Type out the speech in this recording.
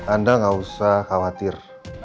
anda gak usah khawatir